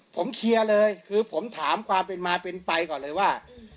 ผมเคลียร์เลยคือผมถามความเป็นมาเป็นไปก่อนเลยว่า